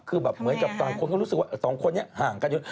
คือแบบเหมือนกับบางคนก็รู้สึกว่าสองคนนี้ห่างกันเยอะ